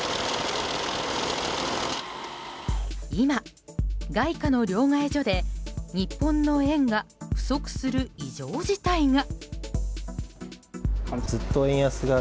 今、外貨の両替所で日本の円が不足する異常事態が。